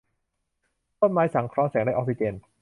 ต้นไม้สังเคราะห์แสงได้ออกซิเจน